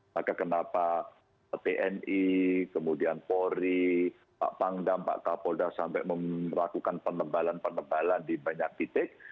maka kenapa tni kemudian polri pak pangdam pak kapolda sampai melakukan penebalan penebalan di banyak titik